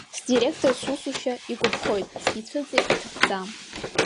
Сдиректор сусушьа игәаԥхоит, сицәыӡыр иҭахӡам.